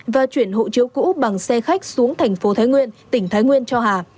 và chuyển hộ chiếu cũ bằng xe khách xuống thành phố thái nguyên tỉnh thái nguyên cho hà